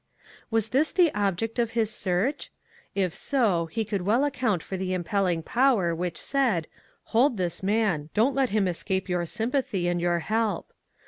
Was this the object of his search? If so, he could well account for the impelling power which said 4'Hcld this man; don't let him escape your sympathy and your help."